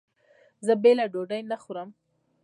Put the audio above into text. زه بېله ډوډۍ نه خورم.